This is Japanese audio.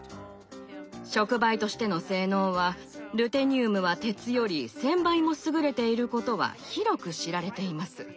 触媒としての性能はルテニウムは鉄より１，０００倍も優れていることは広く知られています。